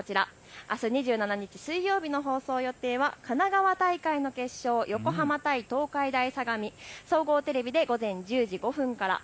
あす２７日水曜日の放送予定は神奈川大会の決勝、横浜対東海大相模、総合テレビで午前１０時５分から。